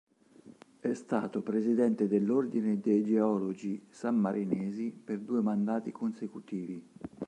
È stato Presidente dell'Ordine dei Geologi Sammarinesi per due mandati consecutivi.